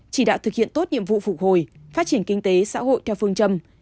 chỉ đạo thực hiện tốt nhiệm vụ phục hồi phát triển kinh tế xã hội theo phương châm